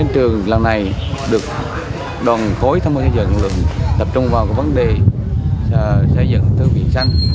hình trường lần này được đoàn khối tham gia dựng tập trung vào vấn đề xây dựng thư viện xanh